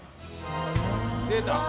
出た。